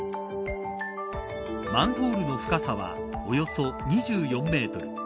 マンホールの深さはおよそ２４メートル。